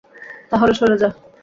তাহলে সরে যা।